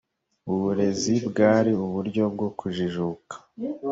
uburezi bwari uburyo bwokujijuka